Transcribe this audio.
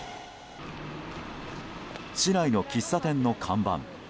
市内の喫茶店の看板。